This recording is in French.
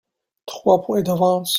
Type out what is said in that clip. Trois points d’avance.